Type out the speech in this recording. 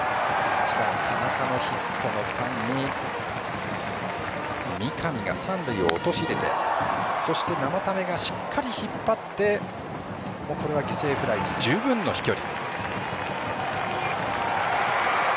田中のヒットの間に三上が三塁を落とし入れてそして生田目がしっかり引っ張って犠牲フライに十分の飛距離。